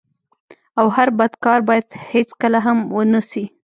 او هر بد کار بايد هيڅکله هم و نه سي.